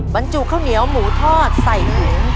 บรรจุข้าวเหนียวหมูทอดใส่ถุง